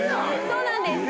そうなんです。